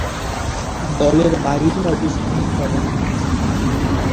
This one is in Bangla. দলের বাইরে অবস্থান করেন।